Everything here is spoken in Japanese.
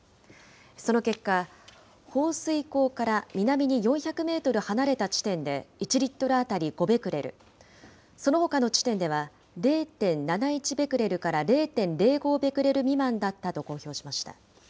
その結果、放水口から南に４００メートル離れた地点で、１リットル当たり５ベクレル、そのほかの地点では、０．７１ベクレルから０．０５ベクレル未満だったと公表しました。